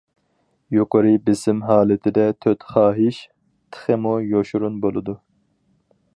يۇقىرى بېسىم ھالىتىدە‹‹ تۆت خاھىش›› تېخىمۇ يوشۇرۇن بولىدۇ.